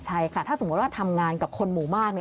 ใช่ค่ะถ้าสมมุติว่าทำงานกับคนหมู่มาก